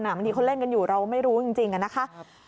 บางทีเขาเล่นกันอยู่เราไม่รู้จริงนะคะ